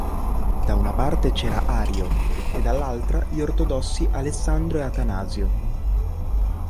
Da una parte c'era Ario, e dall'altra gli ortodossi Alessandro e Atanasio.